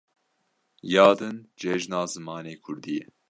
Ya din Cejna Zimanê Kurdî ye.